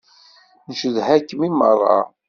Ncedha-kem i meṛṛa.